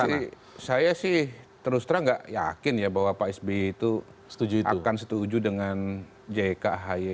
saya sih saya sih terus terang nggak yakin ya bahwa pak sby itu akan setuju dengan jk ahi